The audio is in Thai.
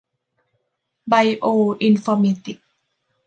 ไบโออินฟอร์เมติกส์